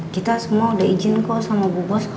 kita semua udah izin kok sama bu bos